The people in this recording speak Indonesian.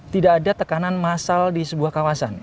tidak ada tekanan massal di sebuah kawasan